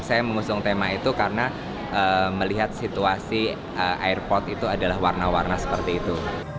saya mengusung tema itu karena melihat situasi airport itu adalah warna warna seperti itu